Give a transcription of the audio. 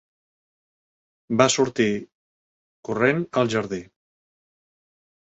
Va sortir corrent al jardí.